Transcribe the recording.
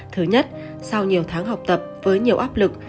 thứ nhất sau nhiều tháng học tập với nhiều áp lực